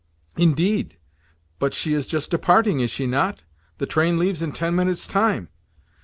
"Indeed? But she is just departing, is she not? The train leaves in ten minutes' time."